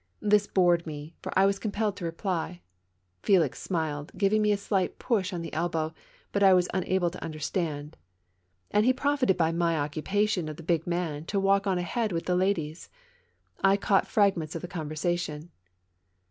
This bored me, for I was compelled to reply. Felix smiled, giving me a slight push on the elbow; but I was unable to under stand. And he profited by my occupation of the big man to walk on ahead with the ladies. I caught frag ments of the conversation.